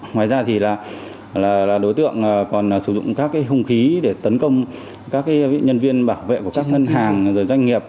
ngoài ra thì đối tượng còn sử dụng các hung khí để tấn công các nhân viên bảo vệ của các ngân hàng doanh nghiệp